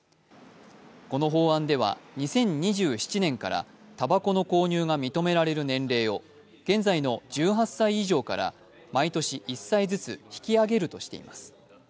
この法案では、２０２７年からたばこの購入が認められる年齢を現在の１８歳以上から毎年１歳ずつ引き上げるとしています。